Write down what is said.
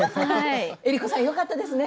江里子さんよかったですね。